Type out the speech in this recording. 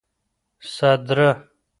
سدره